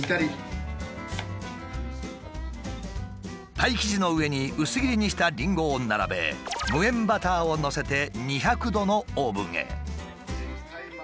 パイ生地の上に薄切りにしたりんごを並べ無塩バターをのせて２００度のオーブンへ。